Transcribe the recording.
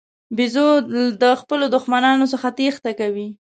بیزو د خپلو دښمنانو څخه تېښته کوي.